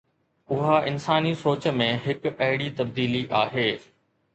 اها انساني سوچ ۾ هڪ اهڙي تبديلي آهي.